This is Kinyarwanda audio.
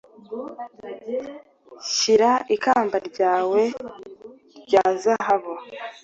shyira ikamba ryawe rya zahabu